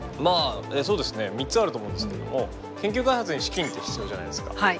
まあそうですね３つあると思うんですけども研究開発に資金って必要じゃないですか。